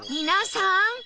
皆さん！